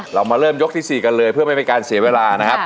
เรามาเริ่มยกที่๔กันเลยเพื่อไม่เป็นการเสียเวลานะครับ